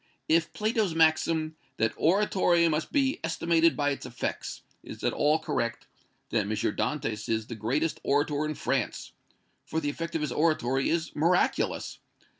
If Plato's maxim, 'that oratory must be estimated by its effects,' is at all correct, then is M. Dantès the greatest orator in France, for the effect of his oratory is miraculous.